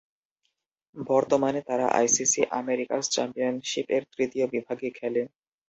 বর্তমানে তারা ICC Americas চ্যাম্পিয়নশিপ-এর তৃতীয় বিভাগে খেলে।